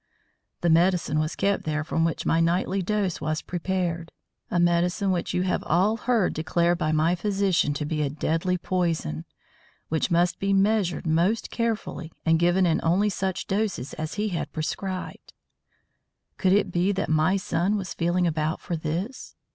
The medicine was kept there from which my nightly dose was prepared; a medicine which you have all heard declared by my physician to be a deadly poison, which must be measured most carefully and given in only such doses as he had prescribed. Could it be that my son was feeling about for this?